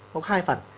có hai phần